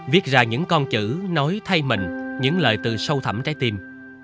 viết ra những con chữ nói thay mình những lời từ sâu thẳm trái tim